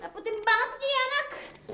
nangkutin banget sih ini anak